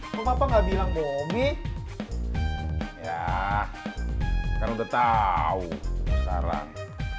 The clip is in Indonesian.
ngomong apa nggak bilang bobi ya kamu udah tahu sekarang